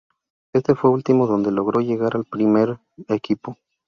En este último fue donde logró llegar al primer equipo.